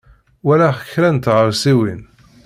Walaɣ kra n tɣawsiwin.